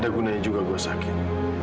ada gunanya juga gue sakit